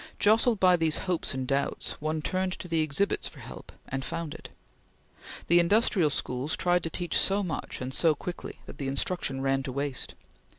Jostled by these hopes and doubts, one turned to the exhibits for help, and found it. The industrial schools tried to teach so much and so quickly that the instruction ran to waste.